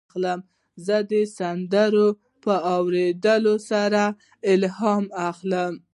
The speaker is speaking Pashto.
زه د سندرو په اورېدو سره الهام اخلم.